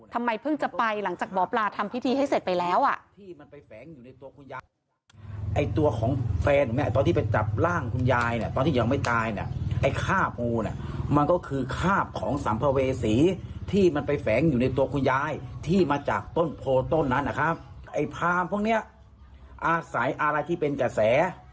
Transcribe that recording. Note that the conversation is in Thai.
ทำไมเพิ่งจะไปหลังจากหมอปลาทำพิธีให้เสร็จไปแล้วอ่ะ